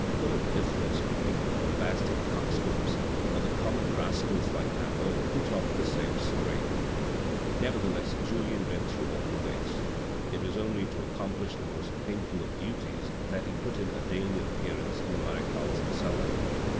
" What a difference between the bombastic coxcombs, or the common rascals like Tanbeau who talk in the same strain." Nevertheless Julien went through awful days. It was only to accomplish the most painful of duties that he put in a daily appearance in the marechale's salon.